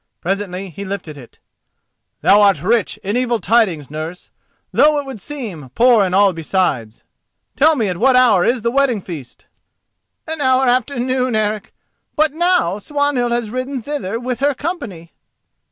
Presently he lifted it. "Thou art rich in evil tidings, nurse, though, it would seem, poor in all besides. Tell me at what hour is the wedding feast?" "An hour after noon, Eric; but now Swanhild has ridden thither with her company."